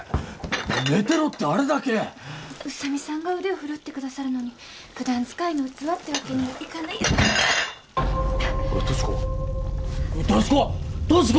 寝てろってあれだけ宇佐美さんが腕をふるってくださるのに普段使いの器ってわけにもいかないおい俊子俊子俊子！